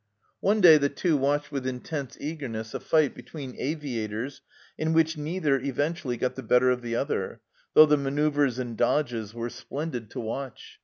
One day the Two watched with intense eagerness a fight between aviators in which neither eventually got the better of the other, though the manoeuvres and dodges were splendid to watch.